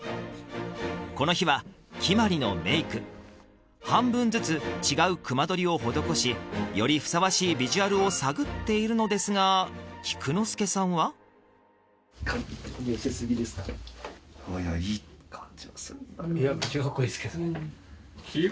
この日はキマリのメイク半分ずつ違う隈取りを施しよりふさわしいビジュアルを探っているのですが菊之助さんは・いやめっちゃカッコいいですけどね